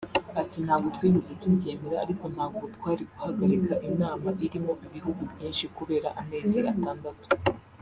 Ati “Ntabwo twigeze tubyemera ariko ntabwo twari guhagarika inama irimo ibihugu byinshi kubera amezi atandatu